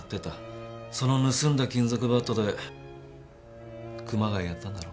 その盗んだ金属バットで熊谷やったんだろ？